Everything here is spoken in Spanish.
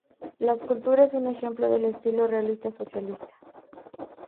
La escultura es un ejemplo del estilo realista socialista.